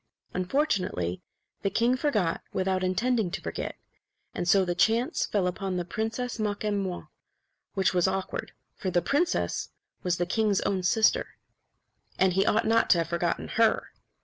Unfortunately, the king forgot without intending to forget; and so the chance fell upon the Princess Makemnoit, which was awkward. For the princess was the king's own sister; and he ought not to have forgotten her.